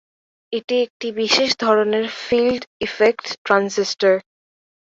এটি একটি বিশেষ ধরনের ফিল্ড ইফেক্ট ট্রানজিস্টর।